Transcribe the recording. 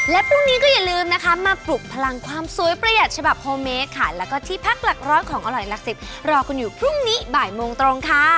แล้วก็ที่พักหลักร้อนของอร่อยลักษณ์รอคุณอยู่พรุ่งนี้บ่ายโมงตรงค่ะ